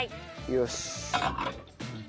よし。